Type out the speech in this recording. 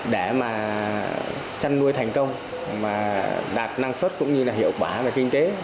để chăn nuôi thành công đạt năng suất cũng như hiệu quả về kinh tế